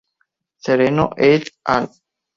Sereno "et al.